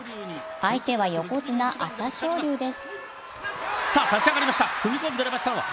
相手は横綱・朝青龍です。